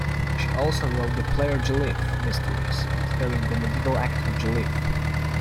She also wrote the "Player Joliffe" mysteries, starring the medieval actor Joliffe.